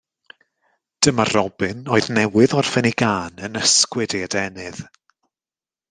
Dyma'r robin, oedd newydd orffen ei gân, yn ysgwyd ei adenydd.